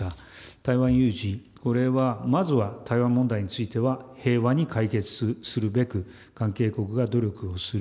台湾有事、これは、まずは、台湾問題については、平和に解決するべく、関係国が努力をする。